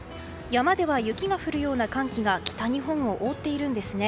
山では雪が降るような寒気が北日本を覆っているんですね。